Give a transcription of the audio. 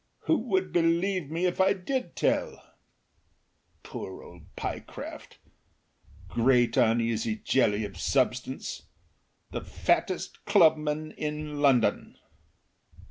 Who would believe me if I did tell? Poor old Pyecraft! Great, uneasy jelly of substance! The fattest clubman in London.